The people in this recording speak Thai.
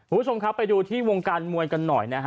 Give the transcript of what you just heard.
คุณผู้ชมครับไปดูที่วงการมวยกันหน่อยนะฮะ